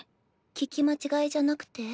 聞き間違いじゃなくて？